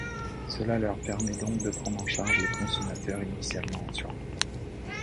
Cela leur permet donc de prendre en charge les consommateurs initialement en surnombre.